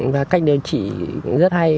và cách điều trị rất hay